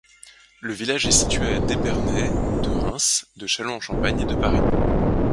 Le village est situé à d'Épernay, de Reims, de Châlons-en-Champagne et de Paris.